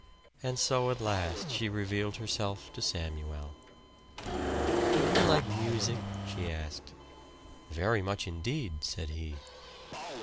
And so at last she revealed herself to Samuel. "Do you like music?" she asked. "Very much indeed," said he.